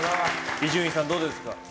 伊集院さん、どうですか？